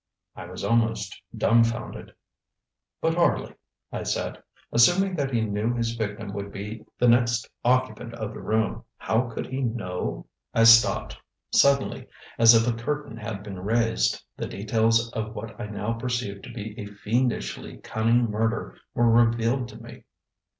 ŌĆØ I was almost dumbfounded. ŌĆ£But, Harley, ŌĆØ I said, ŌĆ£assuming that he knew his victim would be the next occupant of the room, how could he know ?ŌĆØ I stopped. Suddenly, as if a curtain had been raised, the details of what I now perceived to be a fiendishly cunning murder were revealed to me.